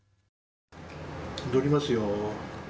取りますよ。